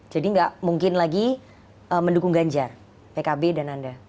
jadi nggak mungkin lagi mendukung ganjar pkb dan anda